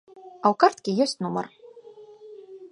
А ў карткі ёсць нумар.